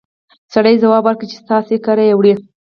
سړي ځواب ورکړ چې ستاسې کره يې وړي!